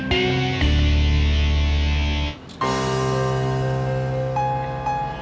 terima kasih bu